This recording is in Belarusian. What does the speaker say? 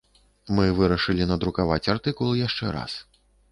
Мы вырашылі надрукаваць артыкул яшчэ раз.